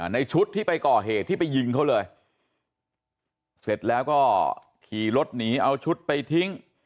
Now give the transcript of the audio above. ในชุดที่ไปก่อเหตุที่ไปยิงเขาเลยเสร็จแล้วก็ขี่รถหนีเอาชุดไปทิ้ง